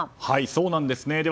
そうなんですね。